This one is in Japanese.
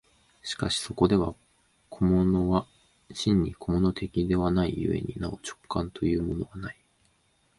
しかしそこでは個物は真に個物的ではない故になお直観というものはない。